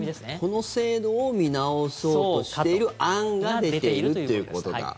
この制度を見直そうとしている案が出ているっていうことか。